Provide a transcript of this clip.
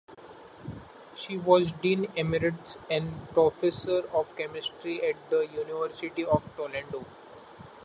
She was Dean Emeritus and professor of chemistry at the University of Toledo.